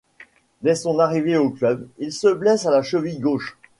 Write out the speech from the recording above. Dès son arrivée au club, il se blesse à la cheville gauche.